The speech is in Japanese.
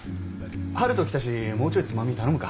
春斗来たしもうちょいつまみ頼むか。